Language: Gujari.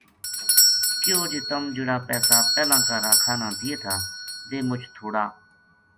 کہیو جے تم جہڑا پیسا پہلاں کا راکھا نا دیے تھا ویہ مُچ تھوڑا